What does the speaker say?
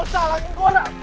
gak usah lagi gue enak